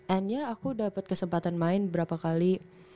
and nya aku dapat kesempatan main berapa kali